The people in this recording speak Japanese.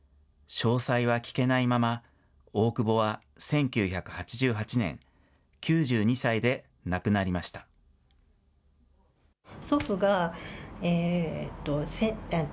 詳細は聞けないまま、大久保は１９８８年、９２歳で亡くなりました。